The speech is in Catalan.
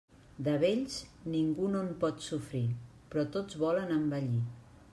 De vells, ningú no en pot sofrir, però tots volen envellir.